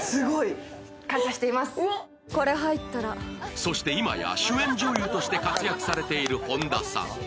そして今や主演女優として活躍されている本田さん。